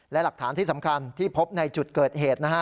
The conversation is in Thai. และหลักฐานที่สำคัญที่พบในจุดเกิดเหตุนะฮะ